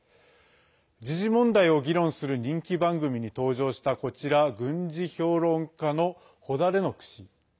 時事問題を議論する人気番組に登場したこちら、軍事評論家のホダレノク氏。